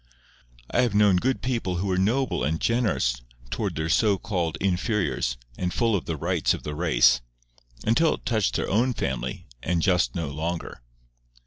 I have known good people who were noble and generous towards their so called inferiors and full of the rights of the race—until it touched their own family, and just no longer.